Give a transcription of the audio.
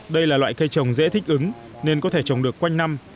đây là loại cây trồng dễ thích ứng nên có thể trồng được quanh năm